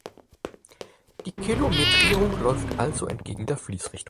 Die Kilometrierung läuft also entgegen der Fließrichtung.